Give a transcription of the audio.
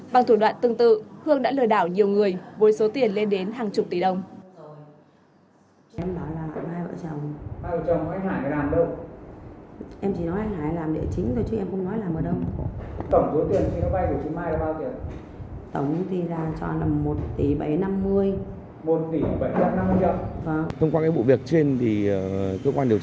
bằng thủ đoạn tương tự hương đã lừa đảo nhiều người với số tiền lên đến hàng chục tỷ đồng